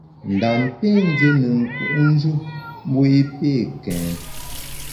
Ndam pé ndié ne nku’njù mbu i pé kèn.